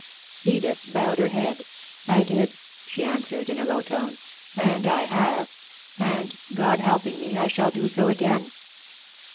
Edith bowed her head. "I did," she answered, in a low tone, "and I have, and, God helping me, I shall do so again."